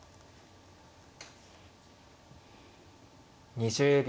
２０秒。